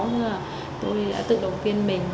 nhưng mà tôi đã tự động viên mình